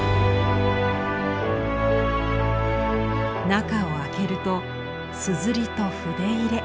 中を開けると硯と筆入れ。